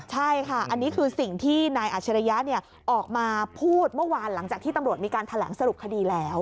ใช่ค่ะอันนี้คือสิ่งที่นายอาชริยะออกมาพูดเมื่อวานหลังจากที่ตำรวจมีการแถลงสรุปคดีแล้ว